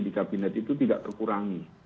di kabinet itu tidak terkurangi